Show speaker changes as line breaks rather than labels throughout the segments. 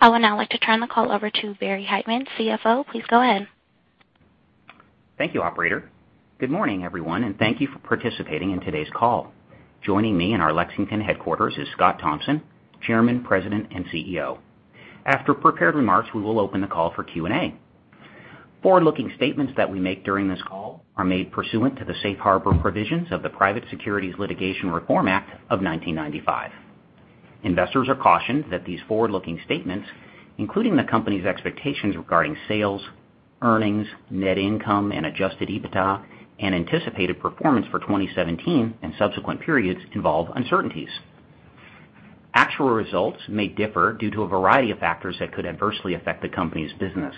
I would now like to turn the call over to Barry Hytinen, CFO. Please go ahead.
Thank you, operator. Good morning, everyone, and thank you for participating in today's call. Joining me in our Lexington headquarters is Scott Thompson, Chairman, President, and CEO. After prepared remarks, we will open the call for Q&A. Forward-looking statements that we make during this call are made pursuant to the safe harbor provisions of the Private Securities Litigation Reform Act of 1995. Investors are cautioned that these forward-looking statements, including the company's expectations regarding sales, earnings, net income, and adjusted EBITDA, and anticipated performance for 2017 and subsequent periods, involve uncertainties. Actual results may differ due to a variety of factors that could adversely affect the company's business.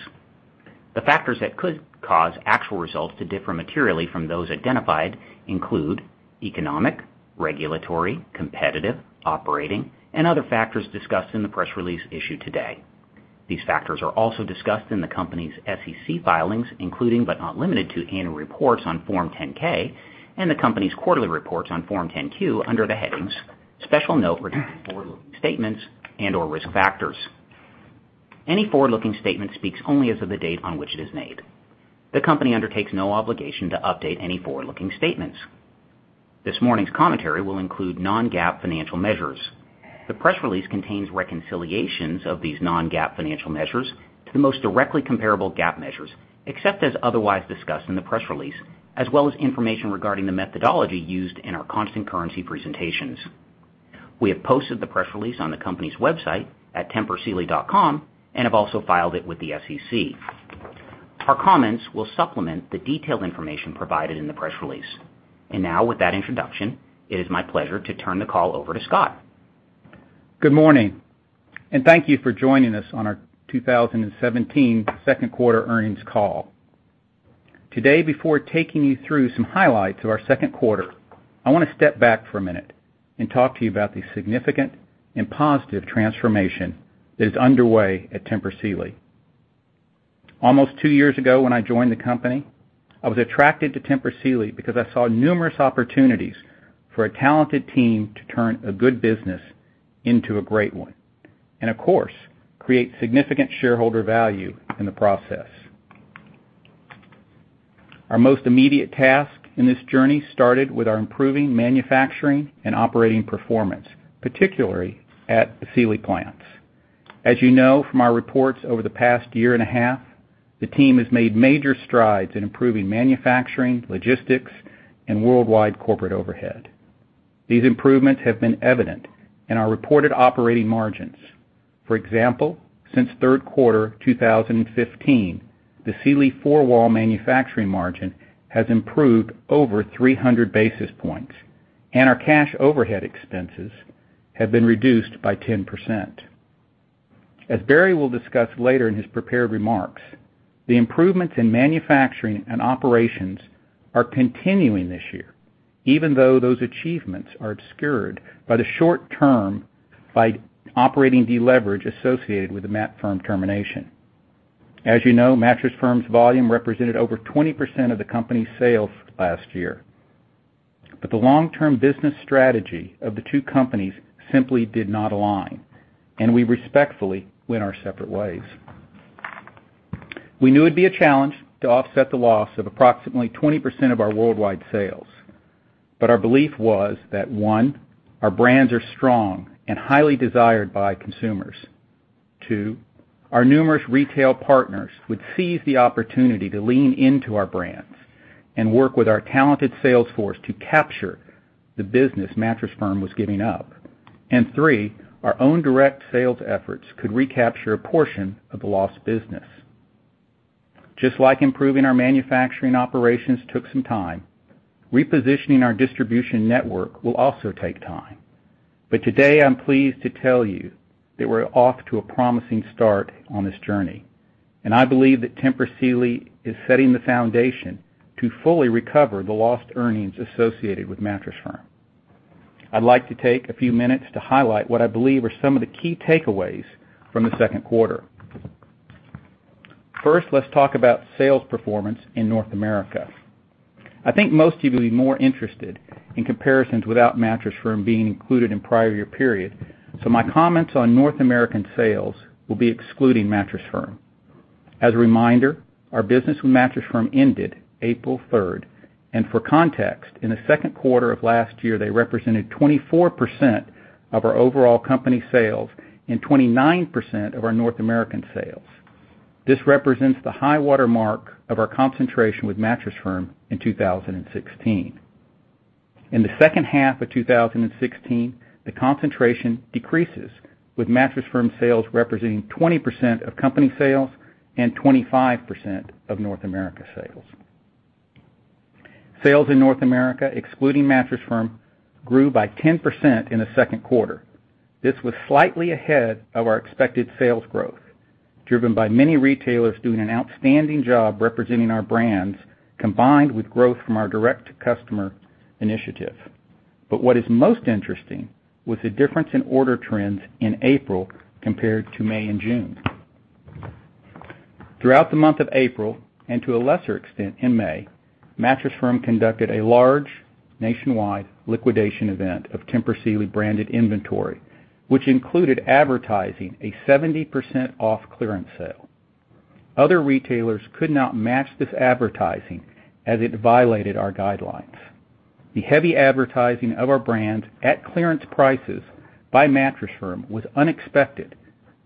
The factors that could cause actual results to differ materially from those identified include economic, regulatory, competitive, operating, and other factors discussed in the press release issued today. These factors are also discussed in the company's SEC filings, including but not limited to annual reports on Form 10-K and the company's quarterly reports on Form 10-Q under the headings "Special Note Regarding Forward-Looking Statements" and/or "Risk Factors." Any forward-looking statement speaks only as of the date on which it is made. The company undertakes no obligation to update any forward-looking statements. This morning's commentary will include non-GAAP financial measures. The press release contains reconciliations of these non-GAAP financial measures to the most directly comparable GAAP measures, except as otherwise discussed in the press release, as well as information regarding the methodology used in our constant currency presentations. We have posted the press release on the company's website at tempursealy.com and have also filed it with the SEC. Our comments will supplement the detailed information provided in the press release. Now, with that introduction, it is my pleasure to turn the call over to Scott.
Good morning, thank you for joining us on our 2017 second quarter earnings call. Today, before taking you through some highlights of our second quarter, I want to step back for a minute and talk to you about the significant and positive transformation that is underway at Tempur Sealy. Almost two years ago, when I joined the company, I was attracted to Tempur Sealy because I saw numerous opportunities for a talented team to turn a good business into a great one, and of course, create significant shareholder value in the process. Our most immediate task in this journey started with our improving manufacturing and operating performance, particularly at the Sealy plants. As you know from our reports over the past year and a half, the team has made major strides in improving manufacturing, logistics, and worldwide corporate overhead. These improvements have been evident in our reported operating margins. For example, since third quarter 2015, the Sealy four-wall manufacturing margin has improved over 300 basis points, and our cash overhead expenses have been reduced by 10%. As Barry Hytinen will discuss later in his prepared remarks, the improvements in manufacturing and operations are continuing this year, even though those achievements are obscured by the short term, by operating deleverage associated with the Mattress Firm termination. As you know, Mattress Firm's volume represented over 20% of the company's sales last year. The long-term business strategy of the two companies simply did not align, and we respectfully went our separate ways. We knew it'd be a challenge to offset the loss of approximately 20% of our worldwide sales. Our belief was that, one, our brands are strong and highly desired by consumers. Two, our numerous retail partners would seize the opportunity to lean into our brands and work with our talented sales force to capture the business Mattress Firm was giving up. Three, our own direct sales efforts could recapture a portion of the lost business. Just like improving our manufacturing operations took some time, repositioning our distribution network will also take time. Today, I'm pleased to tell you that we're off to a promising start on this journey, and I believe that Tempur Sealy is setting the foundation to fully recover the lost earnings associated with Mattress Firm. I'd like to take a few minutes to highlight what I believe are some of the key takeaways from the second quarter. First, let's talk about sales performance in North America. I think most of you will be more interested in comparisons without Mattress Firm being included in prior year period. My comments on North American sales will be excluding Mattress Firm. As a reminder, our business with Mattress Firm ended April 3rd, for context, in the second quarter of last year, they represented 24% of our overall company sales and 29% of our North American sales. This represents the high-water mark of our concentration with Mattress Firm in 2016. In the second half of 2016, the concentration decreases, with Mattress Firm sales representing 20% of company sales and 25% of North America sales. Sales in North America, excluding Mattress Firm, grew by 10% in the second quarter. This was slightly ahead of our expected sales growth, driven by many retailers doing an outstanding job representing our brands, combined with growth from our direct-to-customer initiative. What is most interesting was the difference in order trends in April compared to May and June. Throughout the month of April, and to a lesser extent in May, Mattress Firm conducted a large nationwide liquidation event of Tempur Sealy branded inventory, which included advertising a 70% off clearance sale. Other retailers could not match this advertising as it violated our guidelines. The heavy advertising of our brands at clearance prices by Mattress Firm was unexpected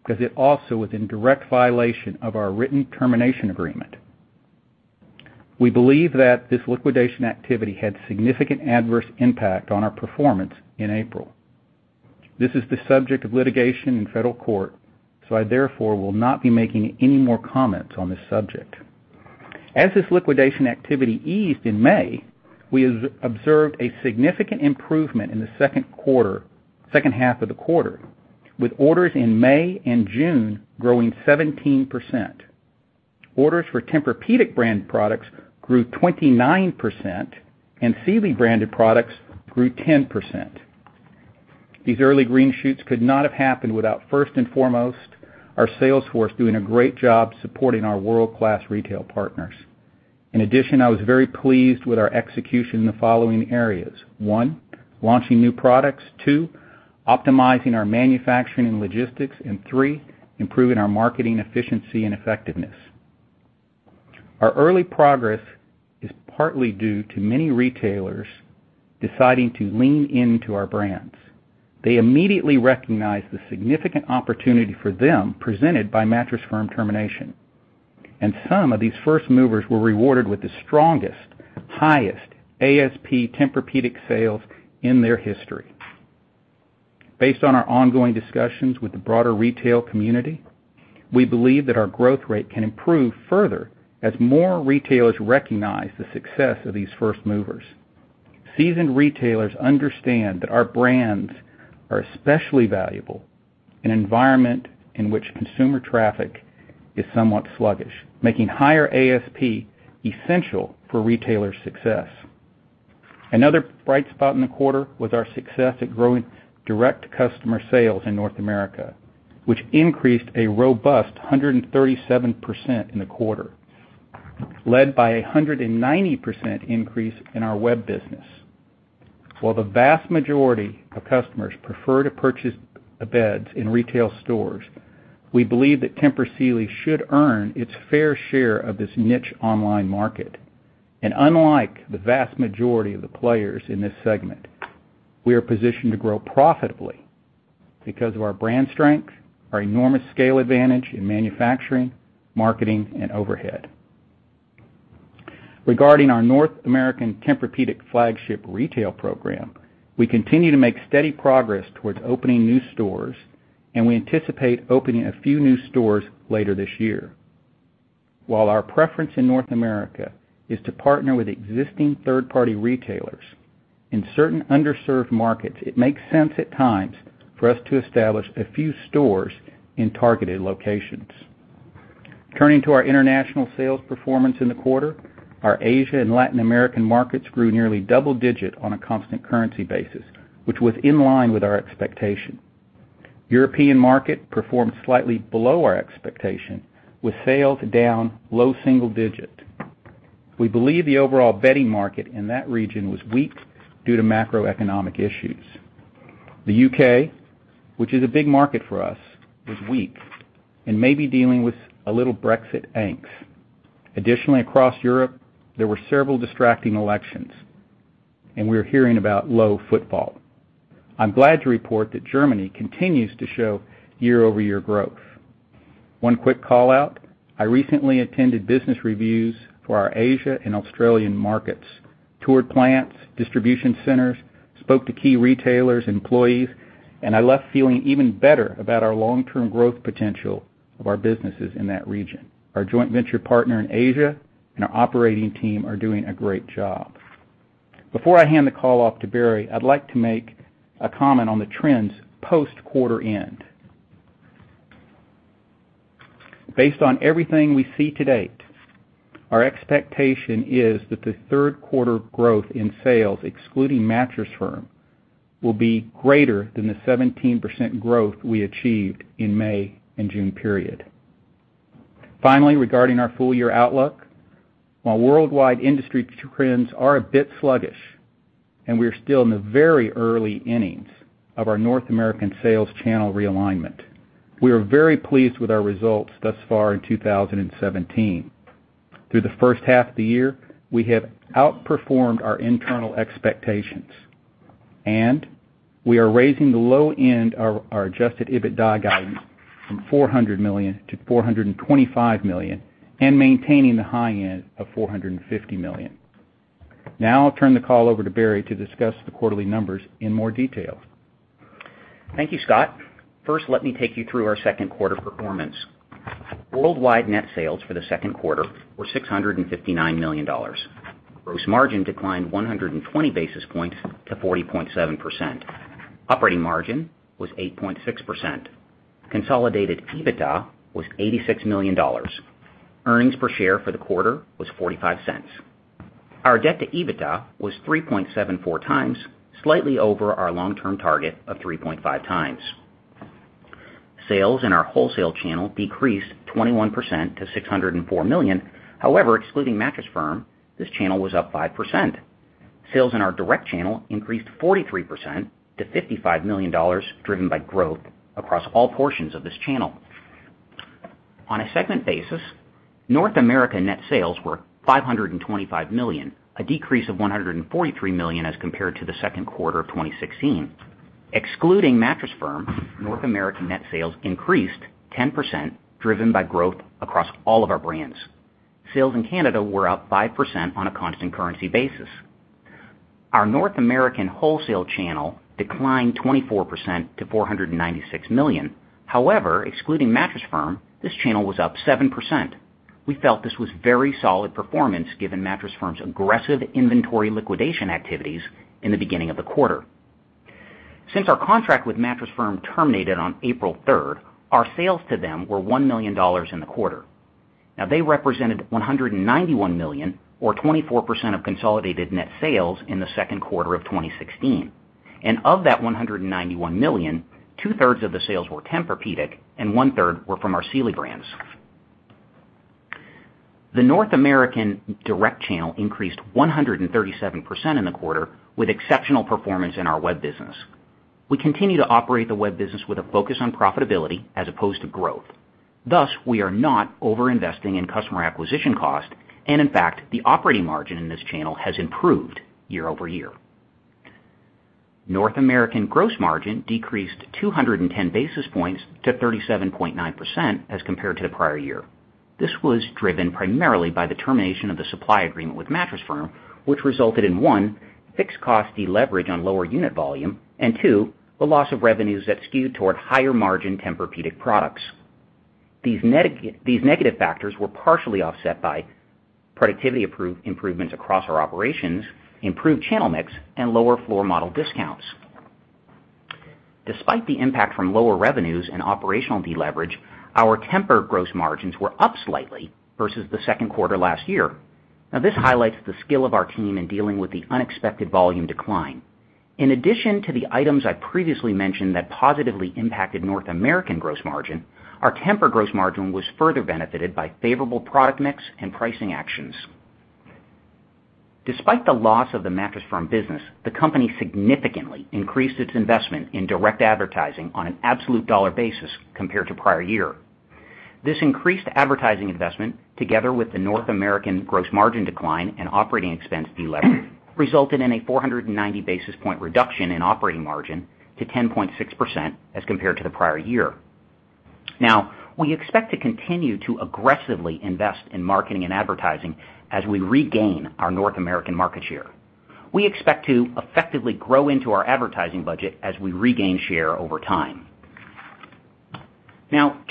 because it also was in direct violation of our written termination agreement. We believe that this liquidation activity had significant adverse impact on our performance in April. This is the subject of litigation in federal court, I therefore will not be making any more comments on this subject. As this liquidation activity eased in May, we observed a significant improvement in the second half of the quarter, with orders in May and June growing 17%. Orders for Tempur-Pedic brand products grew 29%, and Sealy branded products grew 10%. These early green shoots could not have happened without, first and foremost, our sales force doing a great job supporting our world-class retail partners. In addition, I was very pleased with our execution in the following areas. One, launching new products. Two, optimizing our manufacturing and logistics. Three, improving our marketing efficiency and effectiveness. Our early progress is partly due to many retailers deciding to lean into our brands. They immediately recognized the significant opportunity for them presented by Mattress Firm termination. Some of these first movers were rewarded with the strongest, highest ASP Tempur-Pedic sales in their history. Based on our ongoing discussions with the broader retail community, we believe that our growth rate can improve further as more retailers recognize the success of these first movers. Seasoned retailers understand that our brands are especially valuable in an environment in which consumer traffic is somewhat sluggish, making higher ASP essential for retailer success. Another bright spot in the quarter was our success at growing direct customer sales in North America, which increased a robust 137% in the quarter, led by 190% increase in our web business. While the vast majority of customers prefer to purchase the beds in retail stores, we believe that Tempur Sealy should earn its fair share of this niche online market. Unlike the vast majority of the players in this segment, we are positioned to grow profitably because of our brand strength, our enormous scale advantage in manufacturing, marketing, and overhead. Regarding our North American Tempur-Pedic flagship retail program, we continue to make steady progress towards opening new stores, and we anticipate opening a few new stores later this year. While our preference in North America is to partner with existing third-party retailers, in certain underserved markets, it makes sense at times for us to establish a few stores in targeted locations. Turning to our international sales performance in the quarter, our Asia and Latin American markets grew nearly double-digit on a constant currency basis, which was in line with our expectation. European market performed slightly below our expectation with sales down low single-digit. We believe the overall bedding market in that region was weak due to macroeconomic issues. The U.K., which is a big market for us, was weak and may be dealing with a little Brexit angst. Additionally, across Europe, there were several distracting elections, and we are hearing about low footfall. I'm glad to report that Germany continues to show year-over-year growth. One quick call-out. I recently attended business reviews for our Asia and Australian markets, toured plants, distribution centers, spoke to key retailers, employees. I left feeling even better about our long-term growth potential of our businesses in that region. Our joint venture partner in Asia and our operating team are doing a great job. Before I hand the call off to Barry, I'd like to make a comment on the trends post quarter end. Based on everything we see to date, our expectation is that the third quarter growth in sales, excluding Mattress Firm, will be greater than the 17% growth we achieved in May and June period. Finally, regarding our full-year outlook, while worldwide industry trends are a bit sluggish, and we are still in the very early innings of our North American sales channel realignment, we are very pleased with our results thus far in 2017. Through the first half of the year, we have outperformed our internal expectations. We are raising the low end of our adjusted EBITDA guidance from $400 million to $425 million and maintaining the high end of $450 million. Now I'll turn the call over to Barry to discuss the quarterly numbers in more detail.
Thank you, Scott. First, let me take you through our second quarter performance. Worldwide net sales for the second quarter were $659 million. Gross margin declined 120 basis points to 40.7%. Operating margin was 8.6%. Consolidated EBITDA was $86 million. Earnings per share for the quarter was $0.45. Our debt to EBITDA was 3.74 times, slightly over our long-term target of 3.5 times. Sales in our wholesale channel decreased 21% to $604 million. However, excluding Mattress Firm, this channel was up 5%. Sales in our direct channel increased 43% to $55 million, driven by growth across all portions of this channel. On a segment basis, North America net sales were $525 million, a decrease of $143 million as compared to the second quarter of 2016. Excluding Mattress Firm, North American net sales increased 10%, driven by growth across all of our brands. Sales in Canada were up 5% on a constant currency basis. Our North American wholesale channel declined 24% to $496 million. However, excluding Mattress Firm, this channel was up 7%. We felt this was very solid performance given Mattress Firm's aggressive inventory liquidation activities in the beginning of the quarter. Since our contract with Mattress Firm terminated on April 3rd, our sales to them were $1 million in the quarter. Now they represented $191 million, or 24% of consolidated net sales, in the second quarter of 2016. Of that $191 million, two-thirds of the sales were Tempur-Pedic and one-third were from our Sealy brands. The North American direct channel increased 137% in the quarter, with exceptional performance in our web business. We continue to operate the web business with a focus on profitability as opposed to growth. We are not over-investing in customer acquisition cost, and in fact, the operating margin in this channel has improved year-over-year. North American gross margin decreased 210 basis points to 37.9% as compared to the prior year. This was driven primarily by the termination of the supply agreement with Mattress Firm, which resulted in, one, fixed cost deleverage on lower unit volume, and two, the loss of revenues that skewed toward higher margin Tempur-Pedic products. These negative factors were partially offset by productivity improvements across our operations, improved channel mix, and lower floor model discounts. Despite the impact from lower revenues and operational deleverage, our Tempur gross margins were up slightly versus the second quarter last year. This highlights the skill of our team in dealing with the unexpected volume decline. In addition to the items I previously mentioned that positively impacted North American gross margin, our Tempur gross margin was further benefited by favorable product mix and pricing actions. Despite the loss of the Mattress Firm business, the company significantly increased its investment in direct advertising on an absolute dollar basis compared to prior year. This increased advertising investment, together with the North American gross margin decline and operating expense deleverage, resulted in a 490 basis point reduction in operating margin to 10.6% as compared to the prior year. We expect to continue to aggressively invest in marketing and advertising as we regain our North American market share. We expect to effectively grow into our advertising budget as we regain share over time.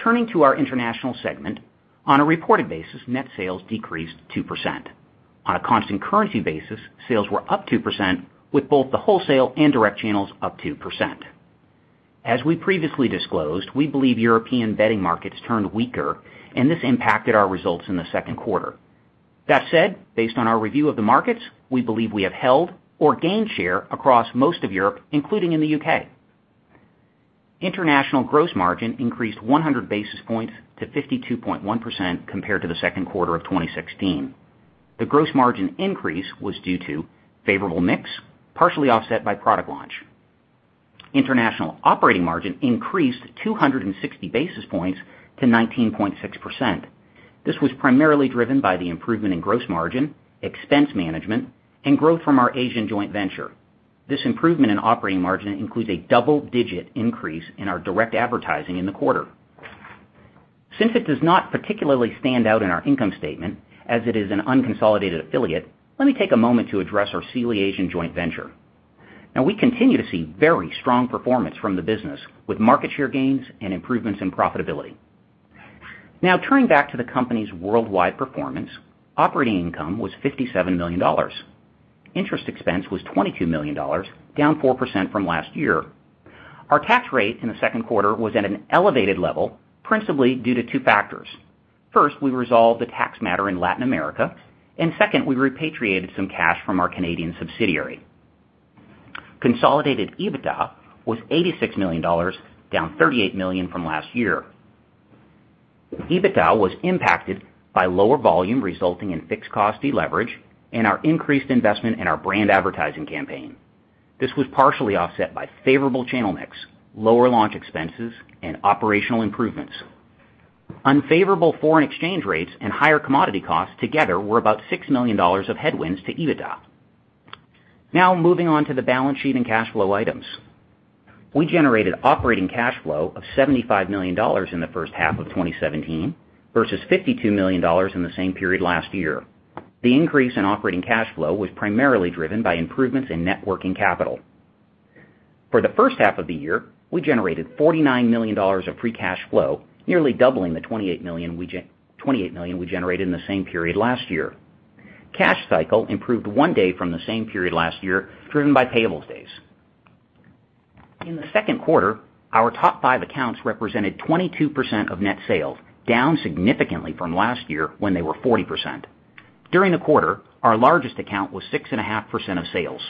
Turning to our international segment. On a reported basis, net sales decreased 2%. On a constant currency basis, sales were up 2%, with both the wholesale and direct channels up 2%. As we previously disclosed, we believe European bedding markets turned weaker, and this impacted our results in the second quarter. That said, based on our review of the markets, we believe we have held or gained share across most of Europe, including in the U.K. International gross margin increased 100 basis points to 52.1% compared to the second quarter of 2016. The gross margin increase was due to favorable mix, partially offset by product launch. International operating margin increased 260 basis points to 19.6%. This was primarily driven by the improvement in gross margin, expense management, and growth from our Asian joint venture. This improvement in operating margin includes a double-digit increase in our direct advertising in the quarter. Since it does not particularly stand out in our income statement, as it is an unconsolidated affiliate, let me take a moment to address our Sealy Asian joint venture. We continue to see very strong performance from the business, with market share gains and improvements in profitability. Turning back to the company's worldwide performance, operating income was $57 million. Interest expense was $22 million, down 4% from last year. Our tax rate in the second quarter was at an elevated level, principally due to two factors. First, we resolved a tax matter in Latin America, and second, we repatriated some cash from our Canadian subsidiary. Consolidated EBITDA was $86 million, down $38 million from last year. EBITDA was impacted by lower volume resulting in fixed cost deleverage and our increased investment in our brand advertising campaign. This was partially offset by favorable channel mix, lower launch expenses, and operational improvements. Unfavorable foreign exchange rates and higher commodity costs together were about $6 million of headwinds to EBITDA. Moving on to the balance sheet and cash flow items. We generated operating cash flow of $75 million in the first half of 2017 versus $52 million in the same period last year. The increase in operating cash flow was primarily driven by improvements in net working capital. For the first half of the year, we generated $49 million of free cash flow, nearly doubling the $28 million we generated in the same period last year. Cash cycle improved one day from the same period last year, driven by payable days. In the second quarter, our top five accounts represented 22% of net sales, down significantly from last year when they were 40%. During the quarter, our largest account was 6.5% of sales.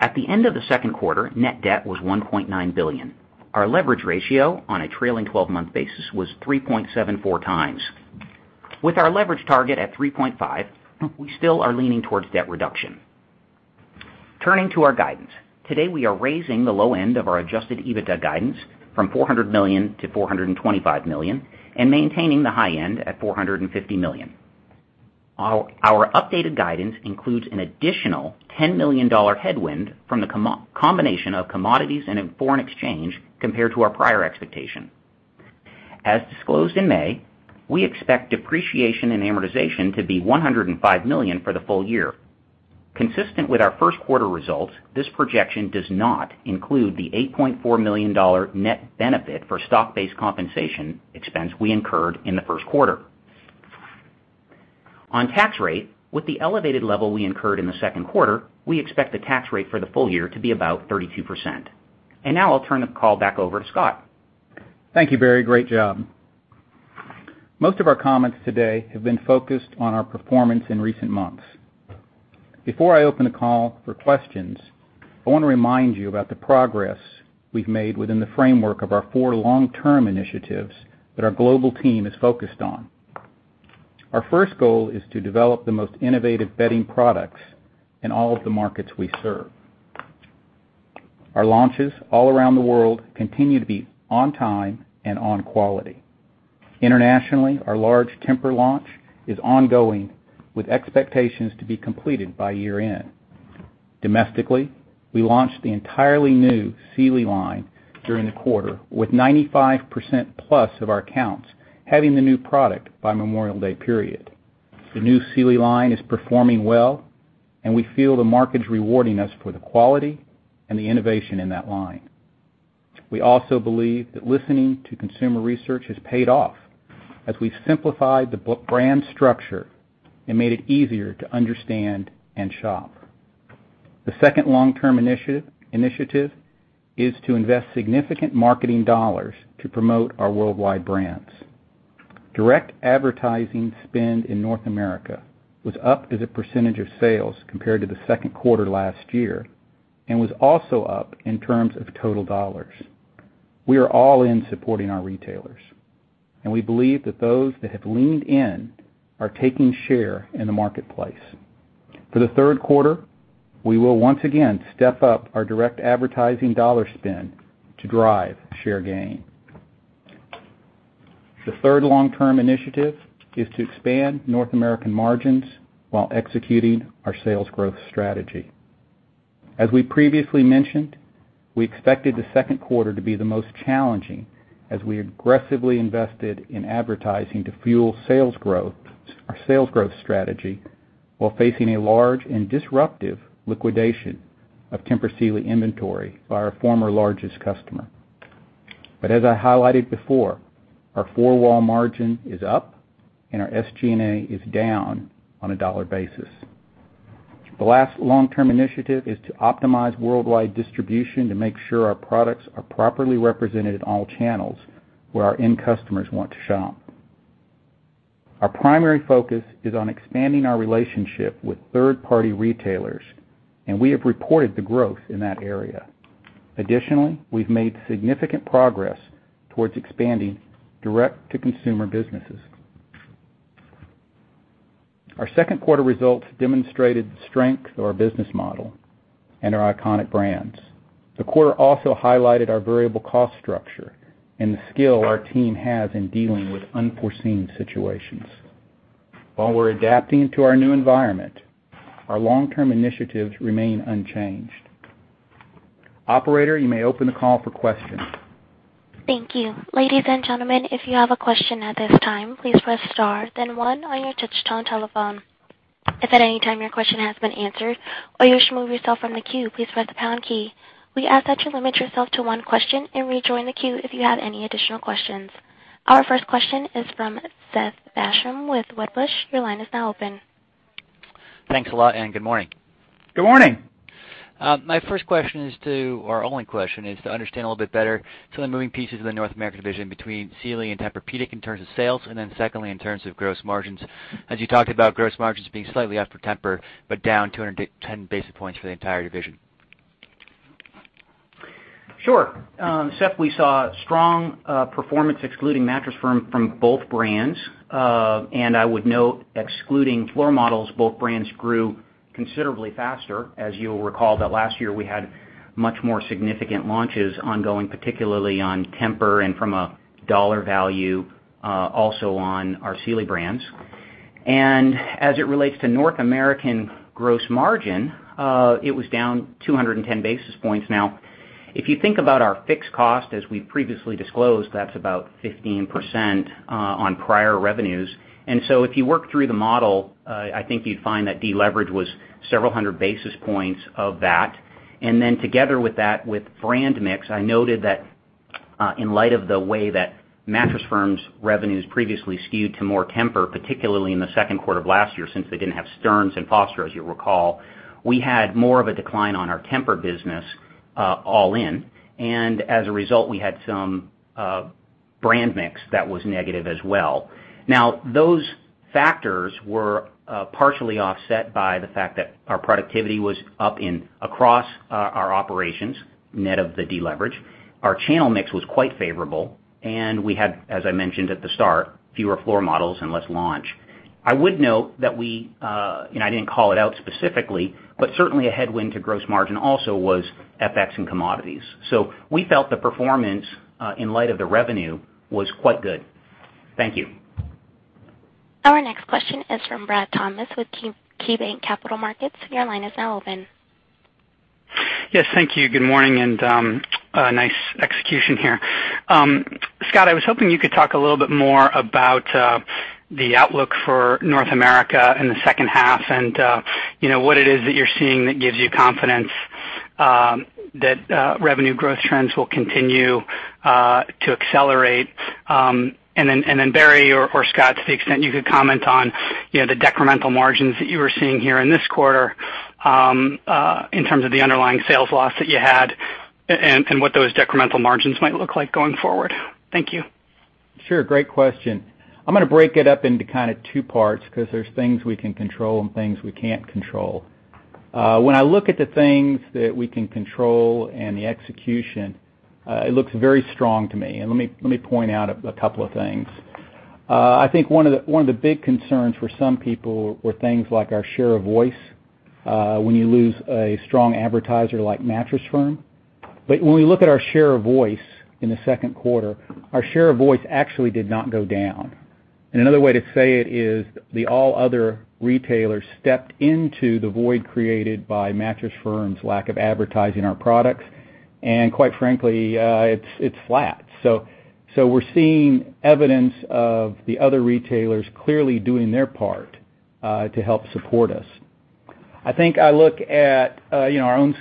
At the end of the second quarter, net debt was $1.9 billion. Our leverage ratio on a trailing 12-month basis was 3.74 times. With our leverage target at 3.5, we still are leaning towards debt reduction. Turning to our guidance. Today we are raising the low end of our adjusted EBITDA guidance from $400 million-$425 million and maintaining the high end at $450 million. Our updated guidance includes an additional $10 million headwind from the combination of commodities and foreign exchange compared to our prior expectation. As disclosed in May, we expect depreciation and amortization to be $105 million for the full year. Consistent with our first quarter results, this projection does not include the $8.4 million net benefit for stock-based compensation expense we incurred in the first quarter. On tax rate, with the elevated level we incurred in the second quarter, we expect the tax rate for the full year to be about 32%. Now I'll turn the call back over to Scott.
Thank you, Barry. Great job. Most of our comments today have been focused on our performance in recent months. Before I open the call for questions, I want to remind you about the progress we've made within the framework of our four long-term initiatives that our global team is focused on. Our first goal is to develop the most innovative bedding products in all of the markets we serve. Our launches all around the world continue to be on time and on quality. Internationally, our large Tempur launch is ongoing, with expectations to be completed by year-end. Domestically, we launched the entirely new Sealy line during the quarter, with 95% plus of our accounts having the new product by Memorial Day period. The new Sealy line is performing well, and we feel the market's rewarding us for the quality and the innovation in that line. We also believe that listening to consumer research has paid off as we've simplified the brand structure and made it easier to understand and shop. The second long-term initiative is to invest significant marketing dollars to promote our worldwide brands. Direct advertising spend in North America was up as a percentage of sales compared to the second quarter last year and was also up in terms of total dollars. We are all in supporting our retailers, and we believe that those that have leaned in are taking share in the marketplace. For the third quarter, we will once again step up our direct advertising dollar spend to drive share gain. The third long-term initiative is to expand North American margins while executing our sales growth strategy. As we previously mentioned, we expected the second quarter to be the most challenging as we aggressively invested in advertising to fuel our sales growth strategy while facing a large and disruptive liquidation of Tempur Sealy inventory by our former largest customer. As I highlighted before, our four-wall margin is up and our SG&A is down on a dollar basis. The last long-term initiative is to optimize worldwide distribution to make sure our products are properly represented in all channels where our end customers want to shop. Our primary focus is on expanding our relationship with third-party retailers, and we have reported the growth in that area. Additionally, we've made significant progress towards expanding direct-to-consumer businesses. Our second quarter results demonstrated the strength of our business model and our iconic brands. The quarter also highlighted our variable cost structure and the skill our team has in dealing with unforeseen situations. While we're adapting to our new environment, our long-term initiatives remain unchanged. Operator, you may open the call for questions.
Thank you. Ladies and gentlemen, if you have a question at this time, please press star then one on your touchtone telephone. If at any time your question has been answered or you wish to remove yourself from the queue, please press the pound key. We ask that you limit yourself to one question and rejoin the queue if you have any additional questions. Our first question is from Seth Basham with Wedbush. Your line is now open.
Thanks a lot and good morning.
Good morning.
My only question is to understand a little bit better some of the moving pieces of the North American division between Sealy and Tempur-Pedic in terms of sales, secondly, in terms of gross margins, as you talked about gross margins being slightly up for Tempur but down 210 basis points for the entire division.
Sure. Seth, we saw strong performance excluding Mattress Firm from both brands. I would note, excluding floor models, both brands grew considerably faster. As you'll recall that last year we had much more significant launches ongoing, particularly on Tempur and from a dollar value, also on our Sealy brands. As it relates to North American gross margin, it was down 210 basis points. Now, if you think about our fixed cost, as we previously disclosed, that's about 15% on prior revenues. So if you work through the model, I think you'd find that deleverage was several hundred basis points of that. Together with that, with brand mix, I noted that in light of the way that Mattress Firm's revenues previously skewed to more Tempur, particularly in the second quarter of last year, since they didn't have Stearns & Foster, as you recall, we had more of a decline on our Tempur business all in, and as a result, we had some brand mix that was negative as well. Those factors were partially offset by the fact that our productivity was up across our operations, net of the deleverage. Our channel mix was quite favorable, and we had, as I mentioned at the start, fewer floor models and less launch. I would note that we and I didn't call it out specifically, but certainly a headwind to gross margin also was FX and commodities. We felt the performance, in light of the revenue, was quite good. Thank you.
Our next question is from Bradley Thomas with KeyBanc Capital Markets. Your line is now open.
Yes, thank you. Good morning, and nice execution here. Scott, I was hoping you could talk a little bit more about the outlook for North America in the second half and what it is that you're seeing that gives you confidence that revenue growth trends will continue to accelerate. Barry or Scott, to the extent you could comment on the decremental margins that you were seeing here in this quarter in terms of the underlying sales loss that you had and what those decremental margins might look like going forward. Thank you.
Sure. Great question. I'm going to break it up into kind of two parts because there's things we can control and things we can't control. When I look at the things that we can control and the execution, it looks very strong to me. Let me point out a couple of things. I think one of the big concerns for some people were things like our share of voice when you lose a strong advertiser like Mattress Firm. When we look at our share of voice in the second quarter, our share of voice actually did not go down. Another way to say it is the all other retailers stepped into the void created by Mattress Firm's lack of advertising our products. Quite frankly, it's flat. We're seeing evidence of the other retailers clearly doing their part to help support us. I think I look at our own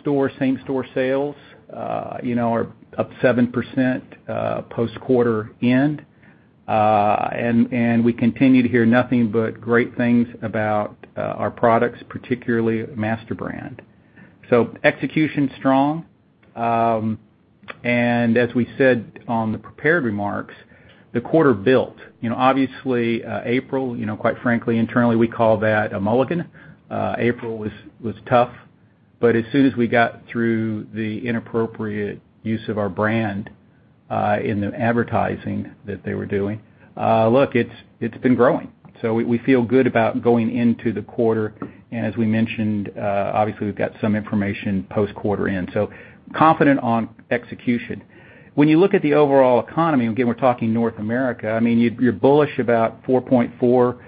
store same store sales are up 7% post quarter end. We continue to hear nothing but great things about our products, particularly Master Brand. Execution's strong. As we said on the prepared remarks, the quarter built. Obviously, April, quite frankly, internally, we call that a mulligan. April was tough. As soon as we got through the inappropriate use of our brand in the advertising that they were doing, look, it's been growing. We feel good about going into the quarter. As we mentioned, obviously we've got some information post quarter in, so confident on execution. When you look at the overall economy, again, we're talking North America, you're bullish about 4.4%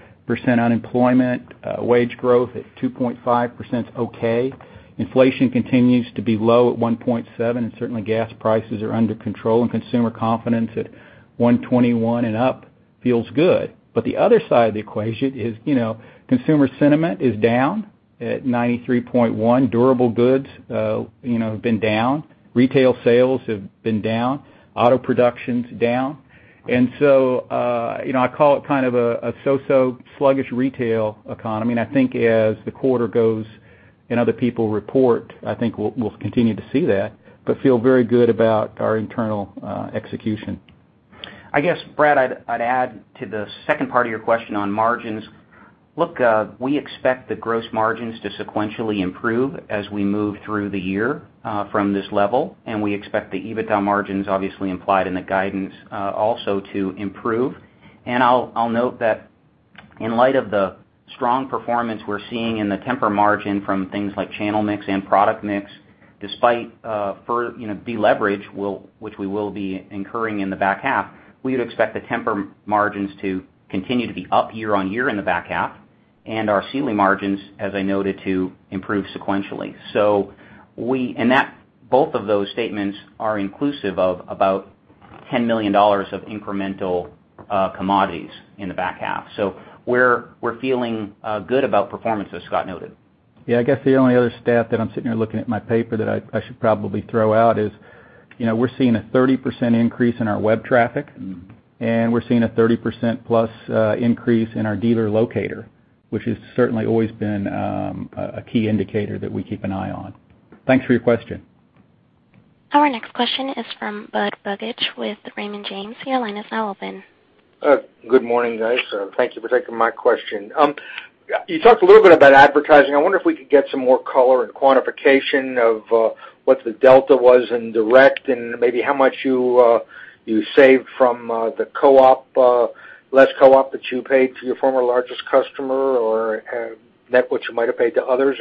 unemployment. Wage growth at 2.5% is okay. Inflation continues to be low at 1.7. Certainly gas prices are under control and consumer confidence at 121 and up feels good. The other side of the equation is consumer sentiment is down at 93.1. Durable goods have been down. Retail sales have been down. Auto production's down. I call it kind of a so-so sluggish retail economy. I think as the quarter goes and other people report, I think we'll continue to see that. We feel very good about our internal execution. I guess, Brad, I'd add to the second part of your question on margins. Look, we expect the gross margins to sequentially improve as we move through the year from this level. We expect the EBITDA margins obviously implied in the guidance also to improve. I'll note that in light of the strong performance we're seeing in the Tempur margin from things like channel mix and product mix, despite further deleverage, which we will be incurring in the back half, we would expect the Tempur margins to continue to be up year-over-year in the back half. Our Sealy margins, as I noted, to improve sequentially. Both of those statements are inclusive of about $10 million of incremental commodities in the back half. We're feeling good about performance, as Scott noted.
Yeah, I guess the only other stat that I'm sitting here looking at in my paper that I should probably throw out is we're seeing a 30% increase in our web traffic. We're seeing a 30%+ increase in our dealer locator, which has certainly always been a key indicator that we keep an eye on. Thanks for your question.
Our next question is from Bobby Griffin with Raymond James. Your line is now open.
Good morning, guys. Thank you for taking my question. You talked a little bit about advertising. I wonder if we could get some more color and quantification of what the delta was in direct and maybe how much you saved from the co-op, less co-op that you paid to your former largest customer or net what you might have paid to others.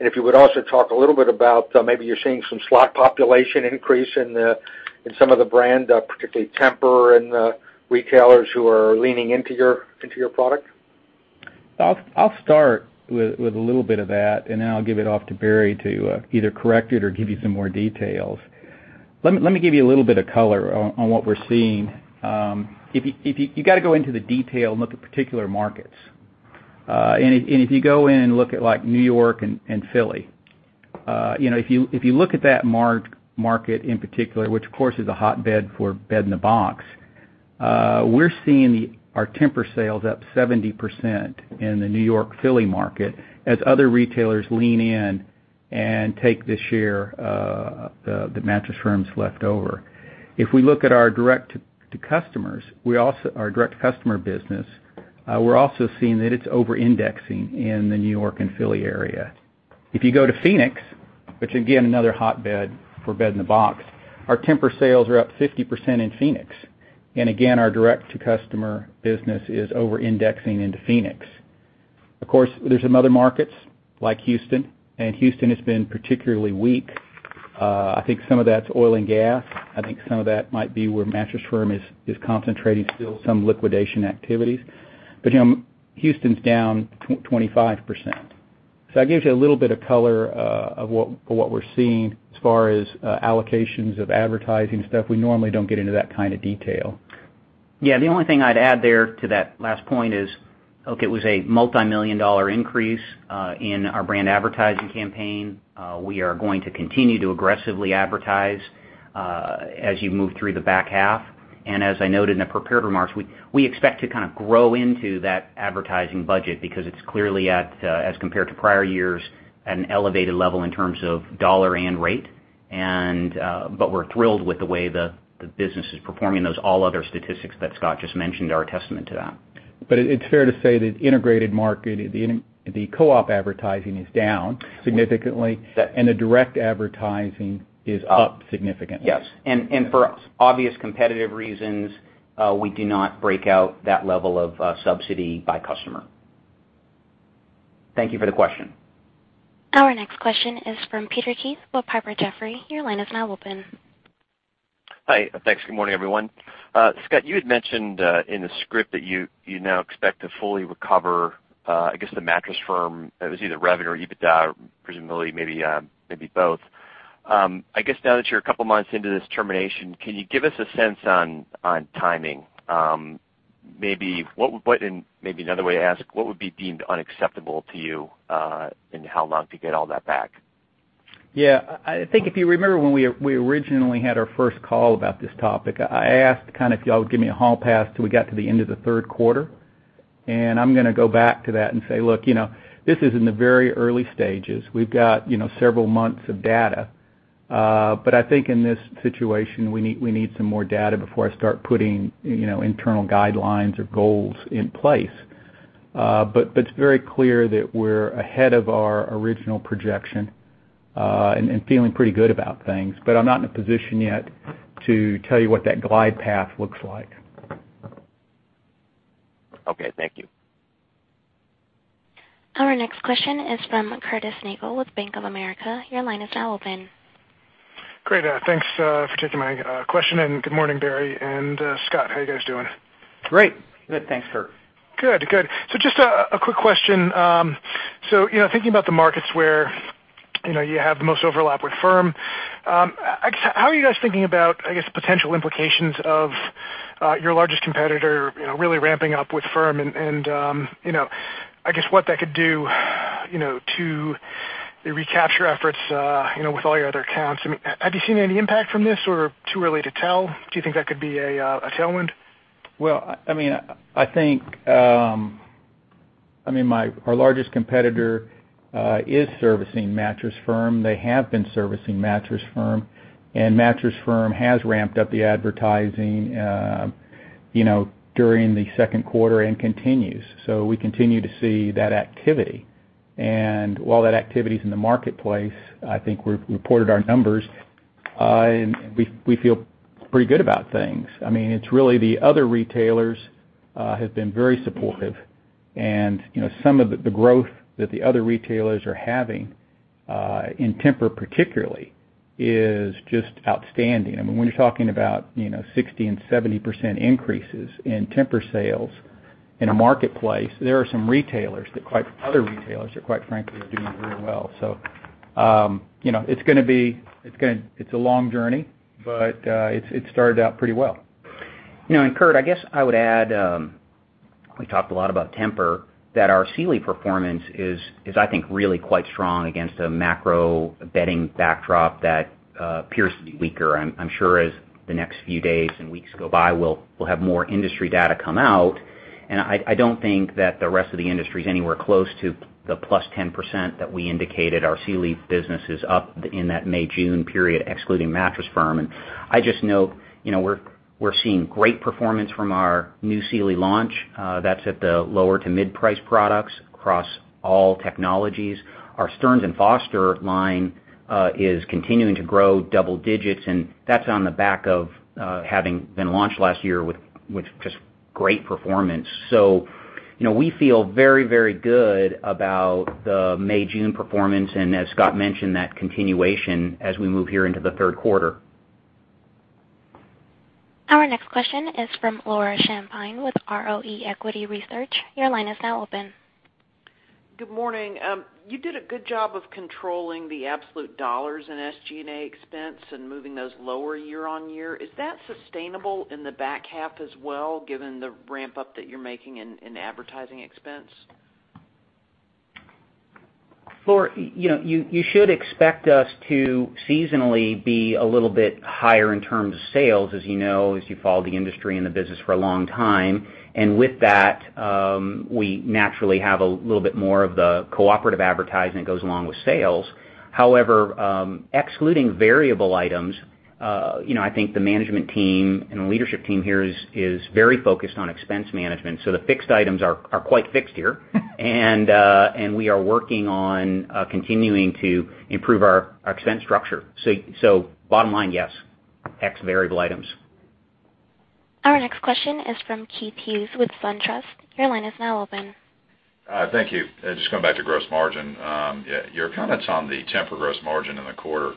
If you would also talk a little bit about maybe you're seeing some slot population increase in some of the brand, particularly Tempur and retailers who are leaning into your product.
I'll start with a little bit of that, and then I'll give it off to Barry to either correct it or give you some more details. Let me give you a little bit of color on what we're seeing. You got to go into the detail and look at particular markets. If you go in and look at New York and Philly, if you look at that market in particular, which of course is a hotbed for bed-in-a-box, we're seeing our Tempur sales up 70% in the New York, Philly market as other retailers lean in and take the share that Mattress Firm's left over. If we look at our direct-to-customer business, we're also seeing that it's over-indexing in the New York and Philly area. If you go to Phoenix, which again, another hotbed for bed-in-a-box, our Tempur sales are up 50% in Phoenix. Again, our direct-to-customer business is over-indexing into Phoenix. Of course, there's some other markets like Houston, and Houston has been particularly weak. I think some of that's oil and gas. I think some of that might be where Mattress Firm is concentrating still some liquidation activities. Houston's down 25%. That gives you a little bit of color of what we're seeing as far as allocations of advertising stuff. We normally don't get into that kind of detail.
Yeah. The only thing I'd add there to that last point is, look, it was a $multimillion increase in our brand advertising campaign. We are going to continue to aggressively advertise as you move through the back half. As I noted in the prepared remarks, we expect to kind of grow into that advertising budget because it's clearly at, as compared to prior years, at an elevated level in terms of dollar and rate. We're thrilled with the way the business is performing. Those all other statistics that Scott just mentioned are a testament to that.
It's fair to say that the integrated market, the co-op advertising is down significantly and the direct advertising is up significantly.
Yes. For obvious competitive reasons, we do not break out that level of subsidy by customer. Thank you for the question.
Our next question is from Peter Keith with Piper Jaffray. Your line is now open.
Hi. Thanks. Good morning, everyone. Scott, you had mentioned in the script that you now expect to fully recover, I guess the Mattress Firm, it was either revenue or EBITDA, or presumably maybe both. I guess now that you're a couple of months into this termination, can you give us a sense on timing? Maybe another way to ask, what would be deemed unacceptable to you, and how long to get all that back?
Yeah. I think if you remember when we originally had our first call about this topic, I asked if y'all would give me a hall pass till we got to the end of the third quarter, I'm going to go back to that and say, look, this is in the very early stages. We've got several months of data. I think in this situation, we need some more data before I start putting internal guidelines or goals in place. It's very clear that we're ahead of our original projection, and feeling pretty good about things. I'm not in a position yet to tell you what that glide path looks like.
Okay. Thank you.
Our next question is from Curtis Nagle with Bank of America. Your line is now open.
Great. Thanks for taking my question, and good morning, Barry and Scott. How you guys doing?
Great.
Good. Thanks, Curt.
Good. Just a quick question. Thinking about the markets where you have the most overlap with Firm, how are you guys thinking about, I guess, potential implications of your largest competitor really ramping up with Firm and I guess, what that could do to the recapture efforts with all your other accounts? Have you seen any impact from this, or too early to tell? Do you think that could be a tailwind?
I think our largest competitor is servicing Mattress Firm. They have been servicing Mattress Firm, and Mattress Firm has ramped up the advertising during the second quarter and continues. We continue to see that activity. While that activity's in the marketplace, I think we reported our numbers, and we feel pretty good about things. It's really the other retailers have been very supportive and some of the growth that the other retailers are having in Tempur particularly, is just outstanding. When you're talking about 60% and 70% increases in Tempur sales in a marketplace, there are some other retailers that, quite frankly, are doing very well. It's a long journey, but it started out pretty well.
Curt, I guess I would add, we talked a lot about Tempur, that our Sealy performance is I think really quite strong against a macro bedding backdrop that appears to be weaker. I'm sure as the next few days and weeks go by, we'll have more industry data come out, and I don't think that the rest of the industry is anywhere close to the plus 10% that we indicated our Sealy business is up in that May, June period, excluding Mattress Firm. I just know we're seeing great performance from our new Sealy launch. That's at the lower to mid-price products across all technologies. Our Stearns & Foster line is continuing to grow double digits, and that's on the back of having been launched last year with just great performance. We feel very good about the May, June performance, and as Scott mentioned, that continuation as we move here into the third quarter.
Our next question is from Laura Champine with ROE Equity Research. Your line is now open.
Good morning. You did a good job of controlling the absolute dollars in SG&A expense and moving those lower year-on-year. Is that sustainable in the back half as well, given the ramp-up that you're making in advertising expense?
Laura, you should expect us to seasonally be a little bit higher in terms of sales, as you know, as you've followed the industry and the business for a long time. With that, we naturally have a little bit more of the cooperative advertising that goes along with sales. However, excluding variable items, I think the management team and the leadership team here is very focused on expense management. The fixed items are quite fixed here. We are working on continuing to improve our expense structure. Bottom line, yes. X variable items.
Our next question is from Keith Hughes with SunTrust. Your line is now open.
Thank you. Just going back to gross margin. Your comments on the Tempur gross margin in the quarter,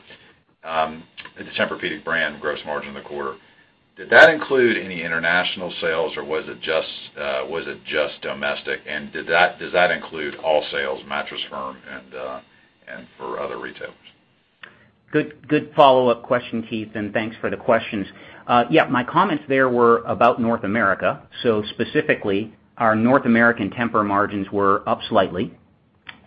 the Tempur-Pedic brand gross margin in the quarter, did that include any international sales or was it just domestic? Does that include all sales, Mattress Firm and for other retailers?
Good follow-up question, Keith, and thanks for the questions. Yeah, my comments there were about North America. Specifically, our North American Tempur margins were up slightly,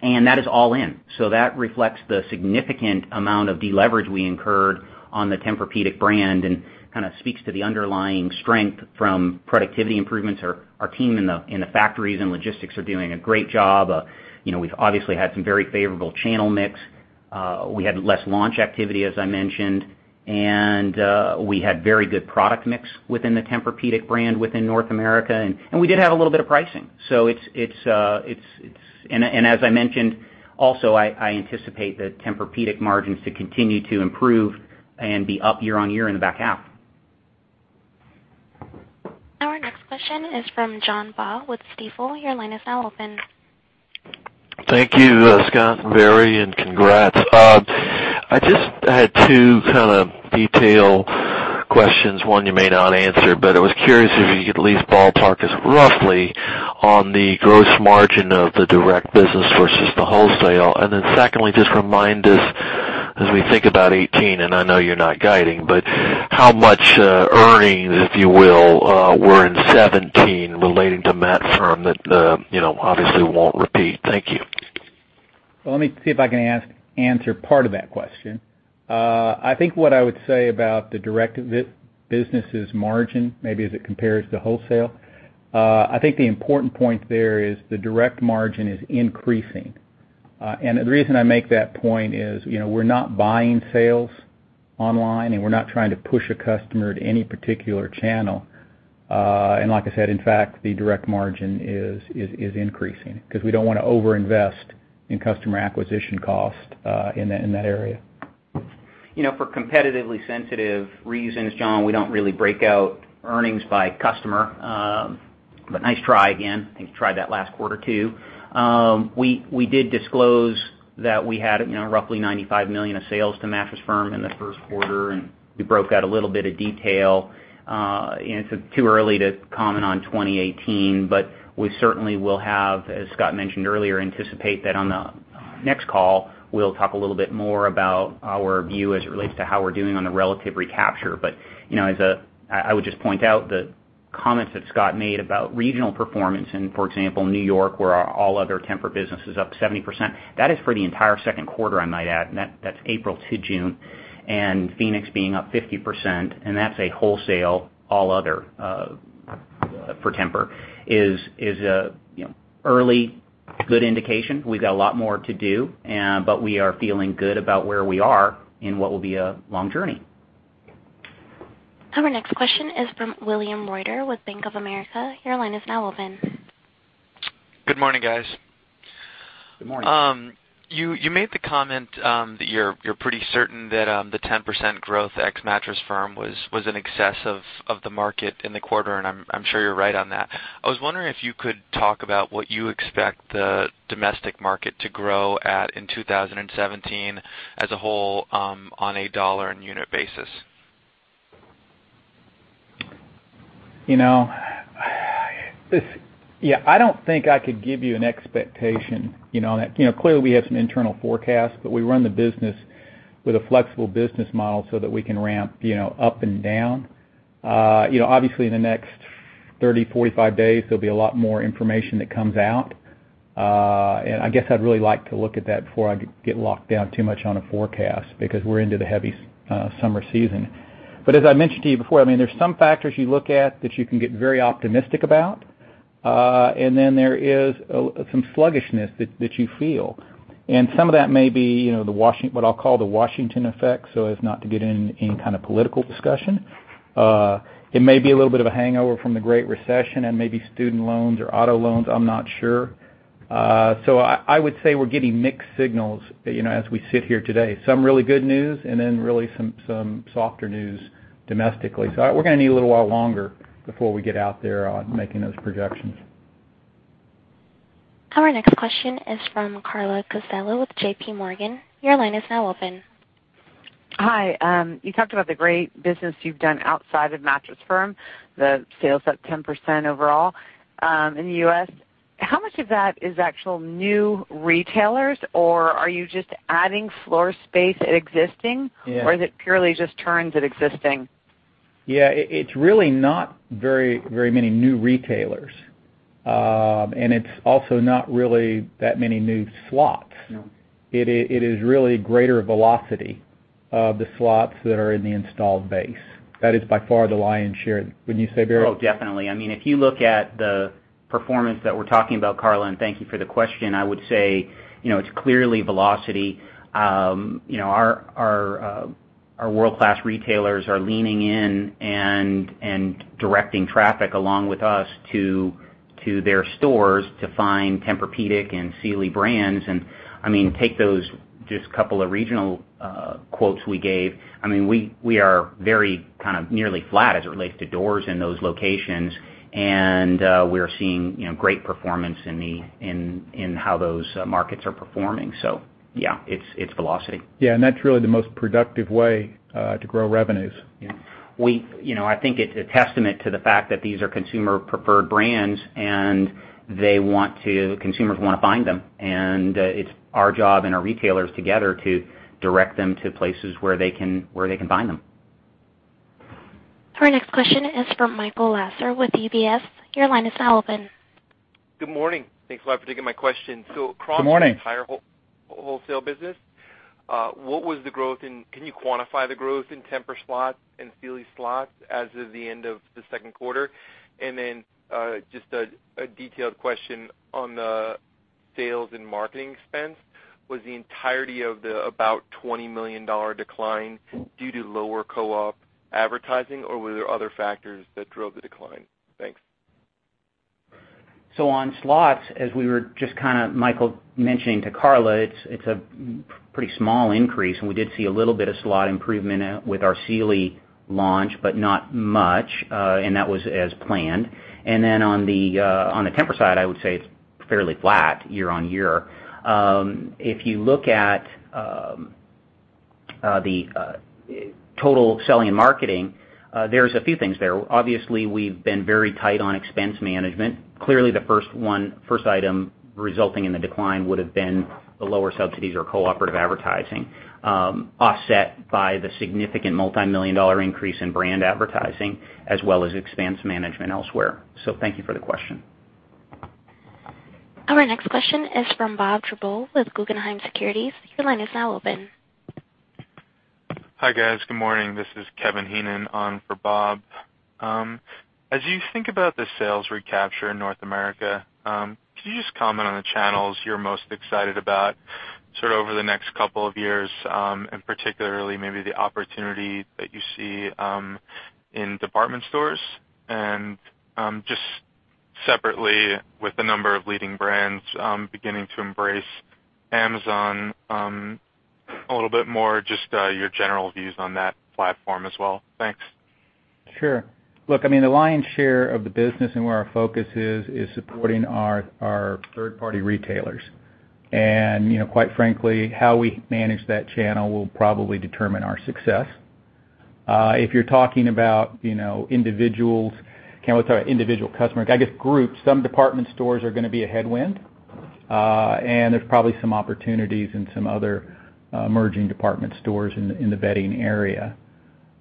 and that is all in. That reflects the significant amount of deleverage we incurred on the Tempur-Pedic brand and kind of speaks to the underlying strength from productivity improvements. Our team in the factories and logistics are doing a great job. We've obviously had some very favorable channel mix. We had less launch activity, as I mentioned, and we had very good product mix within the Tempur-Pedic brand within North America, and we did have a little bit of pricing. As I mentioned, also, I anticipate the Tempur-Pedic margins to continue to improve and be up year-on-year in the back half.
Our next question is from John Baugh with Stifel. Your line is now open.
Thank you, Scott and Barry, and congrats. I just had two kind of detail questions. One you may not answer, but I was curious if you could at least ballpark us roughly on the gross margin of the direct business versus the wholesale. Secondly, just remind us as we think about 2018, and I know you're not guiding, but how much earnings, if you will, were in 2017 relating to Mattress Firm that obviously won't repeat. Thank you.
Well, let me see if I can answer part of that question. I think what I would say about the direct business' margin, maybe as it compares to wholesale, I think the important point there is the direct margin is increasing. The reason I make that point is we're not buying sales online, and we're not trying to push a customer to any particular channel. Like I said, in fact, the direct margin is increasing because we don't want to over-invest in customer acquisition cost in that area.
For competitively sensitive reasons, John, we don't really break out earnings by customer. Nice try again. I think you tried that last quarter, too. We did disclose that we had roughly $95 million of sales to Mattress Firm in the first quarter, and we broke out a little bit of detail. It's too early to comment on 2018, but we certainly will have, as Scott mentioned earlier, anticipate that on the next call, we'll talk a little bit more about our view as it relates to how we're doing on the relative recapture. I would just point out the comments that Scott made about regional performance in, for example, New York, where our all other Tempur business is up 70%. That is for the entire second quarter, I might add, and that's April to June. Phoenix being up 50%, and that's a wholesale all other for Tempur, is a early good indication. We've got a lot more to do, but we are feeling good about where we are in what will be a long journey.
Our next question is from William Reuter with Bank of America. Your line is now open.
Good morning, guys.
Good morning.
You made the comment that you're pretty certain that the 10% growth ex Mattress Firm was in excess of the market in the quarter, and I'm sure you're right on that. I was wondering if you could talk about what you expect the domestic market to grow at in 2017 as a whole on a dollar and unit basis.
I don't think I could give you an expectation. Clearly, we have some internal forecasts, but we run the business with a flexible business model so that we can ramp up and down. Obviously, in the next 30, 45 days, there'll be a lot more information that comes out. I guess I'd really like to look at that before I get locked down too much on a forecast because we're into the heavy summer season. As I mentioned to you before, there's some factors you look at that you can get very optimistic about. Then there is some sluggishness that you feel. Some of that may be what I'll call the Washington effect, so as not to get in any kind of political discussion. It may be a little bit of a hangover from the Great Recession and maybe student loans or auto loans. I'm not sure. I would say we're getting mixed signals as we sit here today. Some really good news and then really some softer news domestically. We're going to need a little while longer before we get out there on making those projections.
Our next question is from Carla Casciello with J.P. Morgan. Your line is now open.
Hi. You talked about the great business you've done outside of Mattress Firm, the sales up 10% overall in the U.S. How much of that is actual new retailers, or are you just adding floor space at existing?
Yeah.
Is it purely just turns at existing?
Yeah. It's really not very many new retailers. It's also not really that many new slots.
No.
It is really greater velocity of the slots that are in the installed base. That is by far the lion's share. Wouldn't you say, Barry?
Definitely. If you look at the performance that we're talking about, Carla, thank you for the question, I would say, it's clearly velocity. Our world-class retailers are leaning in and directing traffic along with us to their stores to find Tempur-Pedic and Sealy brands. Take those just couple of regional quotes we gave. We are very kind of nearly flat as it relates to doors in those locations, and we are seeing great performance in how those markets are performing. Yeah, it's velocity.
Yeah, that's really the most productive way to grow revenues.
Yeah. I think it's a testament to the fact that these are consumer preferred brands consumers want to find them, and it's our job and our retailers together to direct them to places where they can find them.
Our next question is from Michael Lasser with UBS. Your line is now open.
Good morning. Thanks a lot for taking my question.
Good morning.
Across the entire wholesale business, can you quantify the growth in Tempur slots and Sealy slots as of the end of the second quarter? Just a detailed question on the sales and marketing expense. Was the entirety of the about $20 million decline due to lower co-op advertising, or were there other factors that drove the decline? Thanks.
On slots, as we were just kind of, Michael, mentioning to Carla, it's a pretty small increase, and we did see a little bit of slot improvement with our Sealy launch, but not much. That was as planned. On the Tempur side, I would say it's fairly flat year-over-year. If you look at the total selling and marketing, there's a few things there. Obviously, we've been very tight on expense management. Clearly, the first item resulting in the decline would've been the lower subsidies or cooperative advertising, offset by the significant multimillion-dollar increase in brand advertising, as well as expense management elsewhere. Thank you for the question.
Our next question is from Bob Drbul with Guggenheim Securities. Your line is now open.
Hi, guys. Good morning. This is Kevin Hannon on for Bob. As you think about the sales recapture in North America, could you just comment on the channels you're most excited about sort of over the next couple of years, and particularly maybe the opportunity that you see in department stores? Just separately with the number of leading brands beginning to embrace Amazon a little bit more, just your general views on that platform as well. Thanks.
Sure. Look, the lion's share of the business and where our focus is supporting our third-party retailers. Quite frankly, how we manage that channel will probably determine our success. If you're talking about individual customers, I guess groups, some department stores are going to be a headwind. There's probably some opportunities in some other emerging department stores in the bedding area.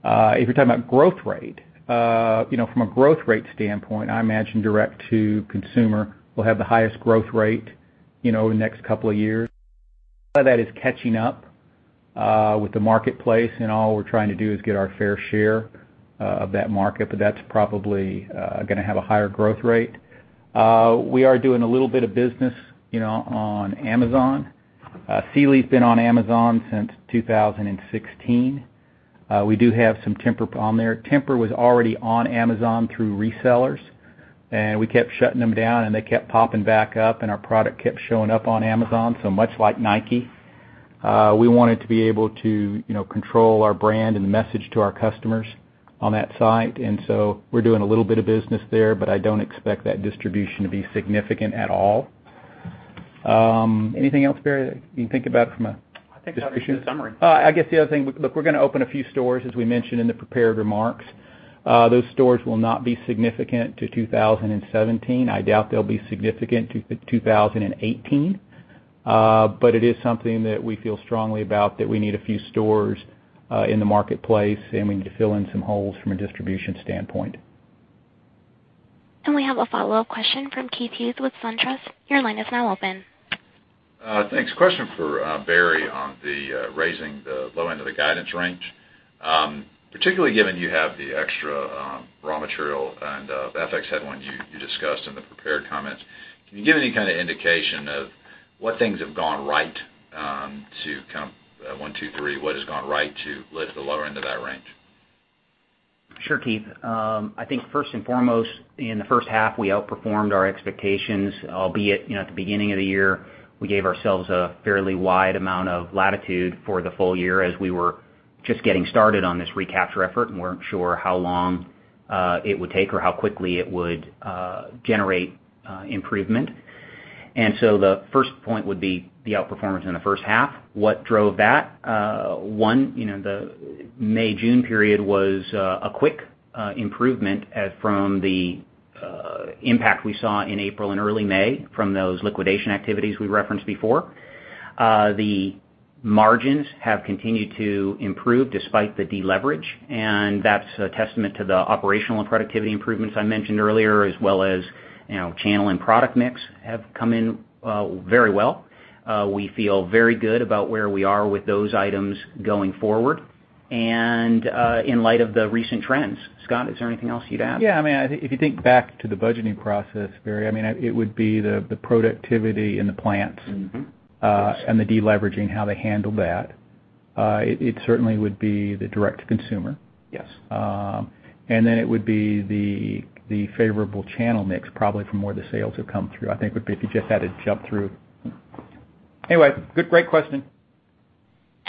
If you're talking about growth rate, from a growth rate standpoint, I imagine direct to consumer will have the highest growth rate in the next couple of years. All we're trying to do is get our fair share of that market. That's probably going to have a higher growth rate. We are doing a little bit of business on Amazon. Sealy's been on Amazon since 2016. We do have some Tempur on there. Tempur was already on Amazon through resellers. We kept shutting them down. They kept popping back up. Our product kept showing up on Amazon. Much like Nike, we wanted to be able to control our brand and the message to our customers on that site. We're doing a little bit of business there, but I don't expect that distribution to be significant at all. Anything else, Barry, that you can think about from a distribution?
I think that's a good summary.
I guess the other thing, look, we're going to open a few stores, as we mentioned in the prepared remarks. Those stores will not be significant to 2017. I doubt they'll be significant to 2018. It is something that we feel strongly about, that we need a few stores in the marketplace, and we need to fill in some holes from a distribution standpoint.
We have a follow-up question from Keith Hughes with SunTrust. Your line is now open.
Thanks. Question for Barry on the raising the low end of the guidance range. Particularly given you have the extra raw material and the FX headwinds you discussed in the prepared comments, can you give any kind of indication of what things have gone right to kind of one, two, three, what has gone right to lift the lower end of that range?
Sure, Keith. I think first and foremost, in the first half, we outperformed our expectations, albeit, at the beginning of the year, we gave ourselves a fairly wide amount of latitude for the full year as we were just getting started on this recapture effort and weren't sure how long it would take or how quickly it would generate improvement. The first point would be the outperformance in the first half. What drove that? One, the May, June period was a quick improvement from the impact we saw in April and early May from those liquidation activities we referenced before. The margins have continued to improve despite the deleverage, and that's a testament to the operational and productivity improvements I mentioned earlier, as well as channel and product mix have come in very well. We feel very good about where we are with those items going forward and in light of the recent trends. Scott, is there anything else you'd add?
Yeah. If you think back to the budgeting process, Barry, it would be the productivity in the plants.
Mm-hmm. Yes
The deleveraging, how they handled that. It certainly would be the direct to consumer.
Yes.
It would be the favorable channel mix, probably from where the sales have come through, I think, if you just had to jump through. Anyway, great question.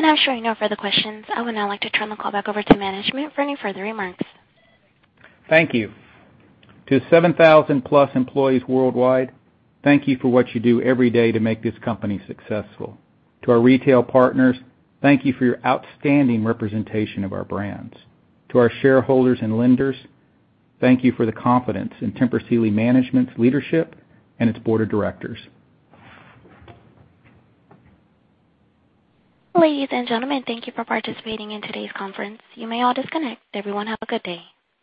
I'm showing no further questions. I would now like to turn the call back over to management for any further remarks.
Thank you. To 7,000-plus employees worldwide, thank you for what you do every day to make this company successful. To our retail partners, thank you for your outstanding representation of our brands. To our shareholders and lenders, thank you for the confidence in Tempur Sealy management's leadership and its board of directors.
Ladies and gentlemen, thank you for participating in today's conference. You may all disconnect. Everyone, have a good day.